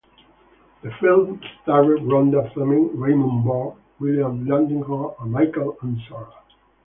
The film starred Rhonda Fleming, Raymond Burr, William Lundigan and Michael Ansara.